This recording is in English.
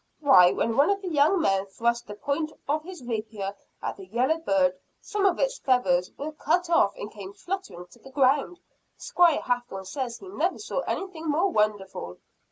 Why, when one of the young men thrust the point of his rapier at the yellow bird, some of its feathers were cut off and came fluttering to the ground. Squire Hathorne says he never saw anything more wonderful."